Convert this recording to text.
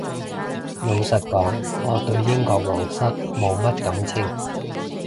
老實講我對英國皇室冇乜感情